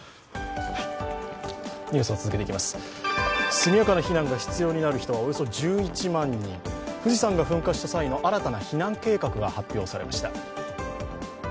速やかな避難が必要になる人はおよそ１１万人、富士山が噴火した際の新たな避難計画が発表されました。